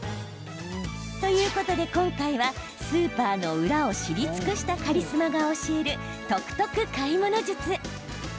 ということで今回はスーパーの裏を知り尽くしたカリスマが教える得々買い物術。